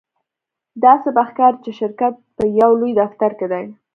داسې به ښکاري چې شرکت په یو لوی دفتر کې دی